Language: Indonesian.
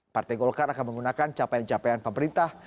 partai golkar akan menggunakan capaian capaian pemerintah